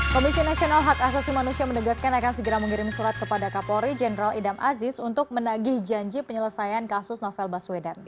komisi nasional hak asasi manusia menegaskan akan segera mengirim surat kepada kapolri jenderal idam aziz untuk menagih janji penyelesaian kasus novel baswedan